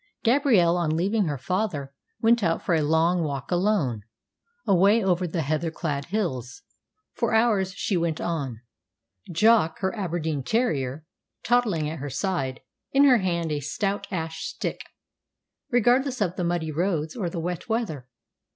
Gabrielle, on leaving her father, went out for a long walk alone, away over the heather clad hills. For hours she went on Jock, her Aberdeen terrier, toddling at her side, in her hand a stout ash stick regardless of the muddy roads or the wet weather.